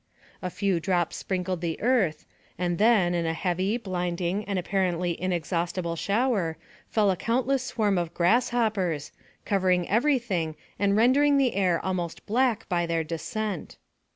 A few drops sprinkled the earth, and, then, in a heavy, blinding, and apparently inexhaustible shower, fell a countless swarm of grasshoppers, covering every thing and rendering the air almost black by their descent.